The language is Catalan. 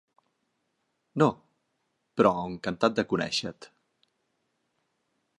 No, però encantat de conèixer-te.